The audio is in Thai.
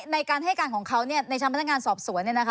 ในการให้การของเขาในชั้นพนักงานสอบสวน